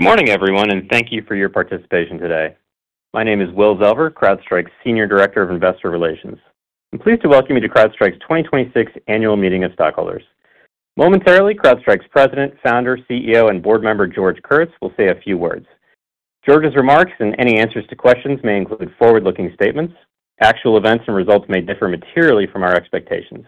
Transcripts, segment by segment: Good morning everyone, and thank you for your participation today. My name is Will Zelver, CrowdStrike's senior director of investor relations. I'm pleased to welcome you to CrowdStrike's 2026 annual meeting of stockholders. Momentarily, CrowdStrike's President, Founder, CEO, and Board Member, George Kurtz, will say a few words. George's remarks and any answers to questions may include forward-looking statements. Actual events and results may differ materially from our expectations.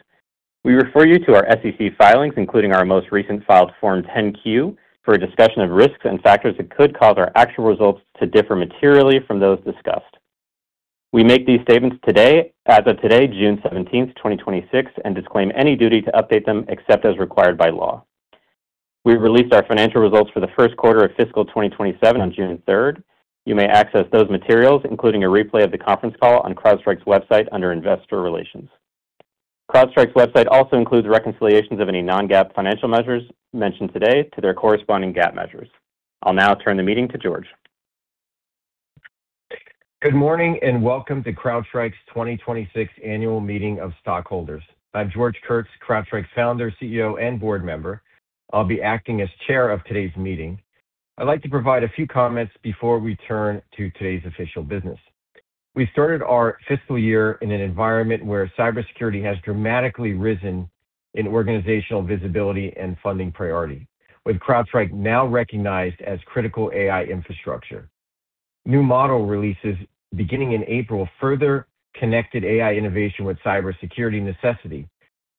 We refer you to our SEC filings, including our most recent filed Form 10-Q for a discussion of risks and factors that could cause our actual results to differ materially from those discussed. We make these statements as of today, June 17th, 2026, and disclaim any duty to update them except as required by law. We released our financial results for the first quarter of fiscal 2027 on June 3rd. You may access those materials, including a replay of the conference call on CrowdStrike's website under investor relations. CrowdStrike's website also includes reconciliations of any non-GAAP financial measures mentioned today to their corresponding GAAP measures. I'll now turn the meeting to George. Good morning and welcome to CrowdStrike's 2026 annual meeting of stockholders. I'm George Kurtz, CrowdStrike's Founder, CEO, and Board Member. I'll be acting as chair of today's meeting. I'd like to provide a few comments before we turn to today's official business. We started our fiscal year in an environment where cybersecurity has dramatically risen in organizational visibility and funding priority, with CrowdStrike now recognized as critical AI infrastructure. New model releases beginning in April further connected AI innovation with cybersecurity necessity,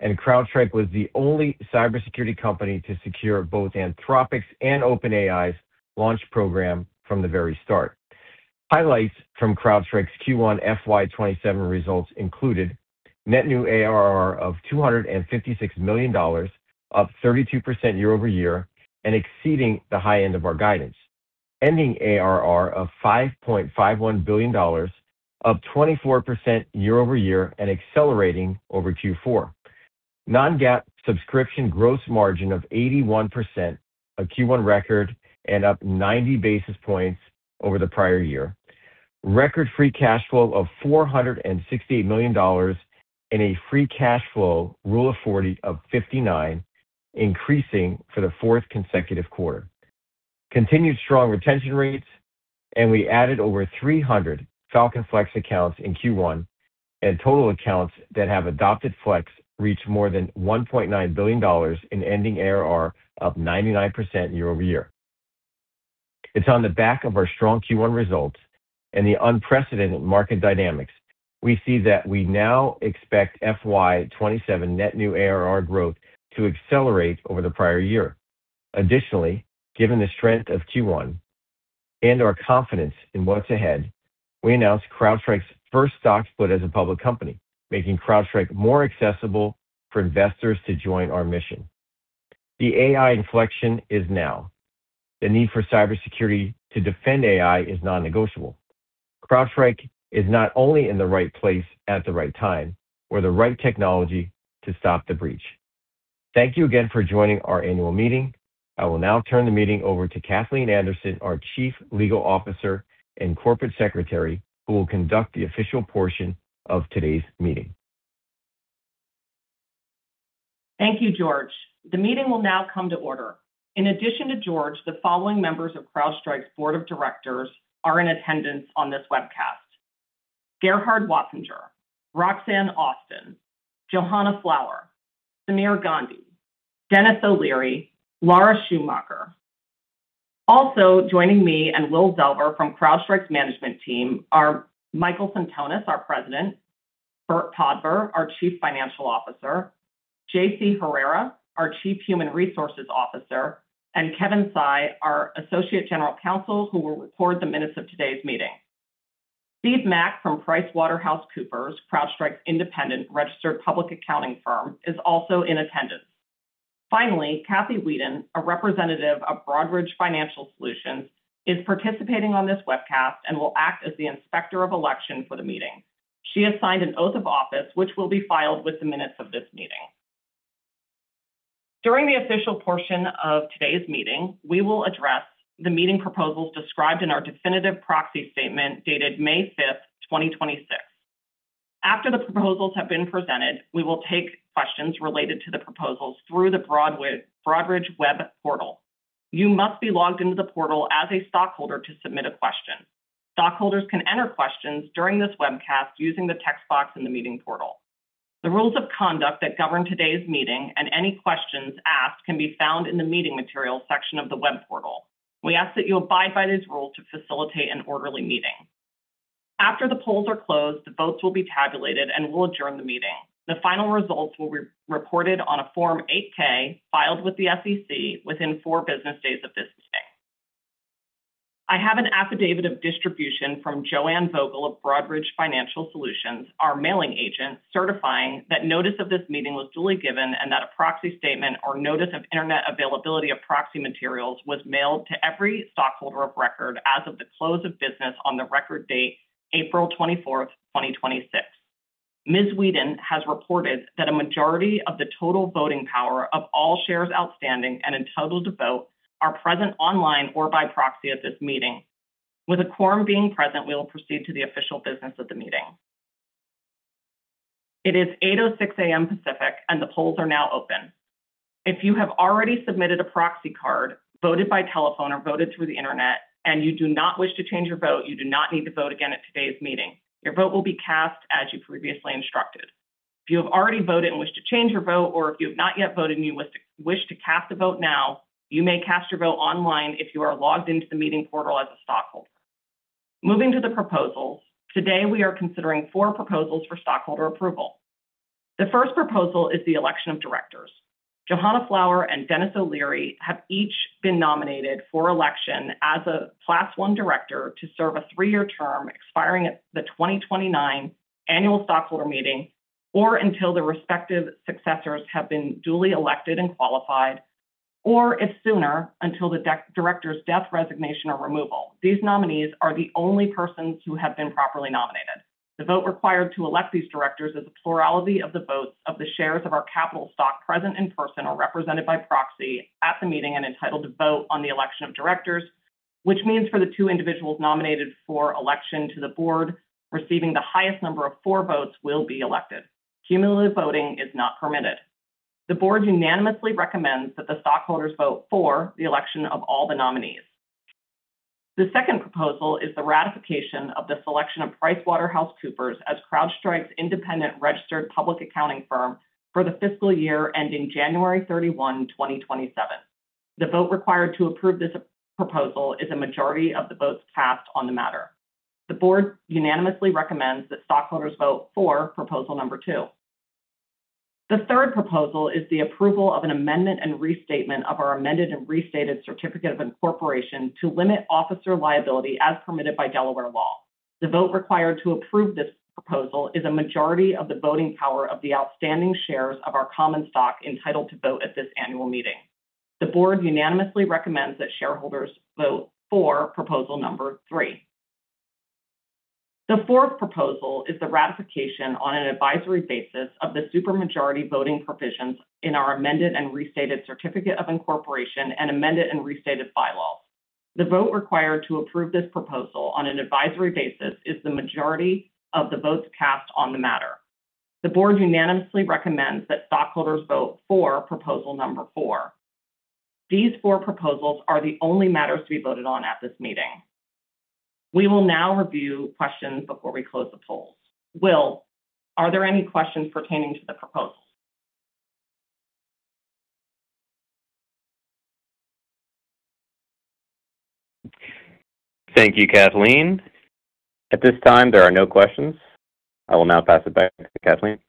and CrowdStrike was the only cybersecurity company to secure both Anthropic's and OpenAI's launch program from the very start. Highlights from CrowdStrike's Q1 FY 2027 results included net new ARR of $256 million, up 32% year-over-year, and exceeding the high end of our guidance. Ending ARR of $5.51 billion, up 24% year-over-year and accelerating over Q4. Non-GAAP subscription gross margin of 81%, a Q1 record, and up 90 basis points over the prior year. Record free cash flow of $468 million, and a free cash flow rule of 40 of 59, increasing for the fourth consecutive quarter. Continued strong retention rates, and we added over 300 Falcon Flex accounts in Q1, and total accounts that have adopted Flex reached more than $1.9 billion in ending ARR, up 99% year-over-year. It's on the back of our strong Q1 results and the unprecedented market dynamics, we see that we now expect FY 2027 net new ARR growth to accelerate over the prior year. Additionally, given the strength of Q1 and our confidence in what's ahead, we announced CrowdStrike's first stock split as a public company, making CrowdStrike more accessible for investors to join our mission. The AI inflection is now. The need for cybersecurity to defend AI is non-negotiable. CrowdStrike is not only in the right place at the right time, we're the right technology to stop the breach. Thank you again for joining our annual meeting. I will now turn the meeting over to Cathleen Anderson, our Chief Legal Officer and Corporate Secretary, who will conduct the official portion of today's meeting. Thank you, George. The meeting will now come to order. In addition to George, the following members of CrowdStrike's Board of Directors are in attendance on this webcast: Gerhard Watzinger, Roxanne Austin, Johanna Flower, Sameer Gandhi, Denis O'Leary, Laura Schumacher. Also joining me and Will Zelver from CrowdStrike's management team are Michael Sentonas, our President, Burt Podbere, our Chief Financial Officer, J.C. Herrera, our Chief Human Resources Officer, and Kevin Tsai, our Associate General Counsel, who will record the minutes of today's meeting. Steve Mack from PricewaterhouseCoopers, CrowdStrike's independent registered public accounting firm, is also in attendance. Finally, Kathy Weeden, a representative of Broadridge Financial Solutions, is participating on this webcast and will act as the inspector of election for the meeting. She has signed an oath of office, which will be filed with the minutes of this meeting. During the official portion of today's meeting, we will address the meeting proposals described in our definitive proxy statement dated May 5th, 2026. After the proposals have been presented, we will take questions related to the proposals through the Broadridge web portal. You must be logged into the portal as a stockholder to submit a question. Stockholders can enter questions during this webcast using the text box in the meeting portal. The rules of conduct that govern today's meeting and any questions asked can be found in the meeting materials section of the web portal. We ask that you abide by these rules to facilitate an orderly meeting. After the polls are closed, the votes will be tabulated, and we'll adjourn the meeting. The final results will be reported on a Form 8-K filed with the SEC within four business days of this meeting. I have an affidavit of distribution from Joanne Vogel of Broadridge Financial Solutions, our mailing agent, certifying that notice of this meeting was duly given and that a proxy statement or notice of internet availability of proxy materials was mailed to every stockholder of record as of the close of business on the record date, April 24th, 2026. Ms. Weeden has reported that a majority of the total voting power of all shares outstanding and entitled to vote are present online or by proxy at this meeting. With a quorum being present, we will proceed to the official business of the meeting. It is 8:06 A.M. Pacific, and the polls are now open. If you have already submitted a proxy card, voted by telephone, or voted through the internet, and you do not wish to change your vote, you do not need to vote again at today's meeting. Your vote will be cast as you previously instructed. If you have already voted and wish to change your vote, or if you have not yet voted and you wish to cast a vote now, you may cast your vote online if you are logged into the meeting portal as a stockholder. Moving to the proposals, today we are considering four proposals for stockholder approval. The first proposal is the election of directors. Johanna Flower and Denis O'Leary have each been nominated for election as a Class I director to serve a three-year term expiring at the 2029 annual stockholder meeting, or until their respective successors have been duly elected and qualified, or if sooner, until the director's death, resignation, or removal. These nominees are the only persons who have been properly nominated. The vote required to elect these directors is a plurality of the votes of the shares of our capital stock present in person or represented by proxy at the meeting and entitled to vote on the election of directors, which means for the two individuals nominated for election to the board, receiving the highest number of four votes will be elected. Cumulative voting is not permitted. The board unanimously recommends that the stockholders vote for the election of all the nominees. The second proposal is the ratification of the selection of PricewaterhouseCoopers as CrowdStrike's independent registered public accounting firm for the fiscal year ending January 31, 2027. The vote required to approve this proposal is a majority of the votes cast on the matter. The board unanimously recommends that stockholders vote for proposal number two. The third proposal is the approval of an amendment and restatement of our amended and restated certificate of incorporation to limit officer liability as permitted by Delaware law. The vote required to approve this proposal is a majority of the voting power of the outstanding shares of our common stock entitled to vote at this annual meeting. The board unanimously recommends that shareholders vote for proposal number three. The fourth proposal is the ratification on an advisory basis of the super majority voting provisions in our amended and restated certificate of incorporation and amended and restated bylaws. The vote required to approve this proposal on an advisory basis is the majority of the votes cast on the matter. The board unanimously recommends that stockholders vote for proposal number four. These four proposals are the only matters to be voted on at this meeting. We will now review questions before we close the polls. Will, are there any questions pertaining to the proposals? Thank you, Cathleen. At this time, there are no questions. I will now pass it back to Cathleen.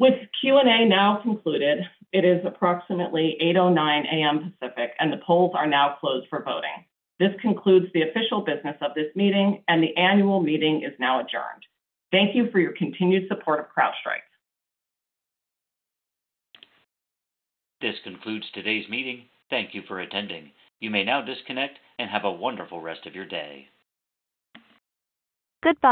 With Q&A now concluded, it is approximately 8:09 A.M. Pacific, and the polls are now closed for voting. This concludes the official business of this meeting, and the annual meeting is now adjourned. Thank you for your continued support of CrowdStrike. This concludes today's meeting. Thank you for attending. You may now disconnect, and have a wonderful rest of your day. Goodbye.